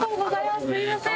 すいません。